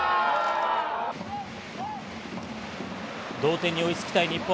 同点に追いつきたい日本。